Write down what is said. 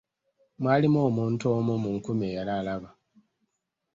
Mwalimu omuntu omu mu nkumi eyali alaba.